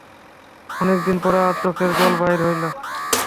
অনেকদিন পরে আজ চোখের জল বাহির হইল।